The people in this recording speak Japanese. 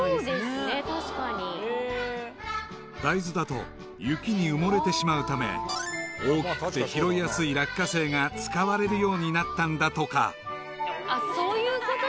［大豆だと雪に埋もれてしまうため大きくて拾いやすい落花生が使われるようになったんだとか］